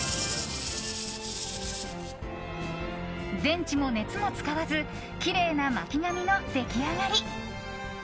電池も熱も使わずきれいな巻き髪の出来上がり。